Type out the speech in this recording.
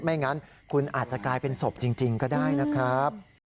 ไม่งั้นคุณอาจจะกลายเป็นศพจริงก็ได้นะครับ